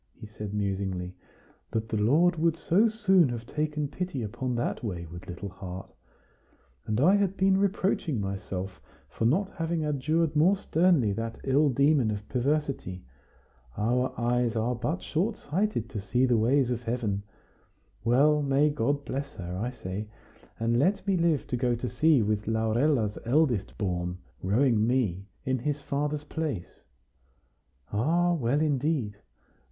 he said musingly "that the Lord would so soon have taken pity upon that wayward little heart? And I had been reproaching myself for not having adjured more sternly that ill demon of perversity. Our eyes are but short sighted to see the ways of Heaven! Well, may God bless her, I say, and let me live to go to sea with Laurella's eldest born, rowing me in his father's place! Ah! well, indeed!